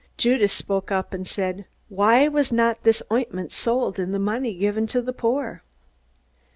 Judas spoke up and said, "Why was not this ointment sold, and the money given to the poor?"